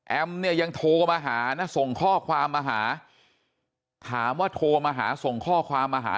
เนี่ยยังโทรมาหานะส่งข้อความมาหาถามว่าโทรมาหาส่งข้อความมาหา